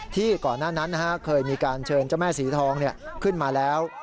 ก่อนหน้านั้นเคยมีการเชิญเจ้าแม่สีทองขึ้นมาแล้ว